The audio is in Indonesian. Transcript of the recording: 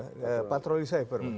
melakukan patroli cyber